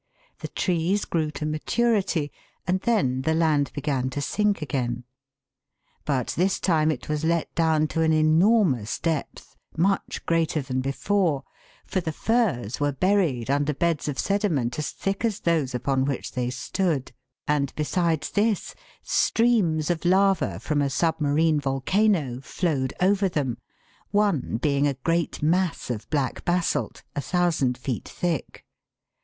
The trees grew to maturity, and then the land began to sink again ; but this time it was let down to an enormous depth, much greater than before, for the firs were buried under beds of sediment as thick as those upon which they stood, and PERPETUAL MOTION. 79 besides this, streams of lava from a submarine volcano flowed over them, one being a great mass of black basalt, 1,000 feet thick.